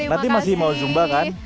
nanti masih mau zumba kan